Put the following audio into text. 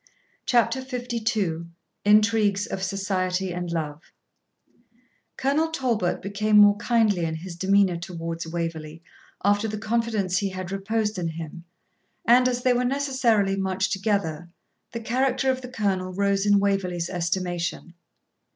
CHAPTER LII INTRIGUES OF SOCIETY AND LOVE Colonel Talbot became more kindly in his demeanour towards Waverley after the confidence he had reposed in him, and, as they were necessarily much together, the character of the Colonel rose in Waverley's estimation.